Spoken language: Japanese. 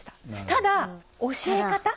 ただ教え方？